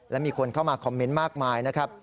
และมีคนเข้ามาคอมเมนต์มากมายนะครับ